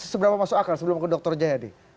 seberapa masuk akal sebelum ke dokter jadi